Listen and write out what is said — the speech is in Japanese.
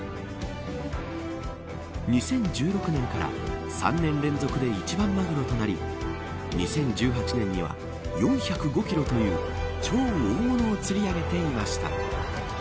２０１６年から３年連続で一番マグロとなり２０１８年には４０５キロという超大物を釣り上げていました。